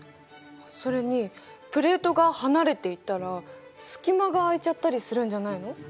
それにプレートが離れていったら隙間が空いちゃったりするんじゃないの？